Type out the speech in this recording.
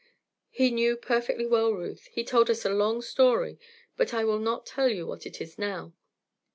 "He knew perfectly well, Ruth; he told us a long story, but I will not tell you what it is now.